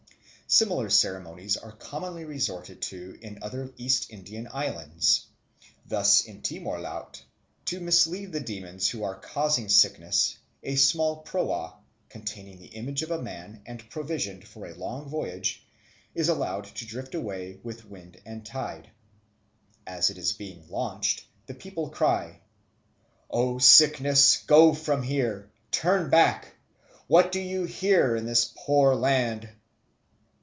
Similar ceremonies are commonly resorted to in other East Indian islands. Thus in Timor laut, to mislead the demons who are causing sickness, a small proa, containing the image of a man and provisioned for a long voyage, is allowed to drift away with wind and tide. As it is being launched, the people cry, "O sickness, go from here; turn back; what do you here in this poor land?"